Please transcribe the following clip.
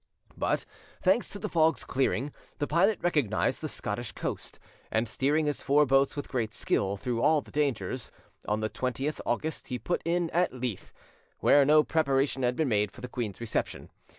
But, thanks to the fog's clearing, the pilot recognised the Scottish coast, and, steering his four boats with great skill through all the dangers, on the 20th August he put in at Leith, where no preparation had been made for the queen's reception.